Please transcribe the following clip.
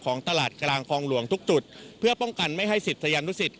ตลาดกลางคลองหลวงทุกจุดเพื่อป้องกันไม่ให้ศิษยานุสิต